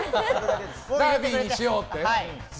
ダービーにしようって。